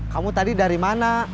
kamu tadi dari mana